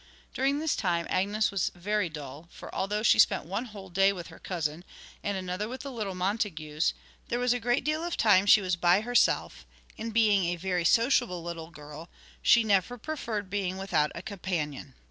During this time Agnes was very dull, for although she spent one whole day with her cousins, and another with the little Montagues, there was a great deal of time she was by herself, and being a very sociable little girl, she never preferred being without a companion.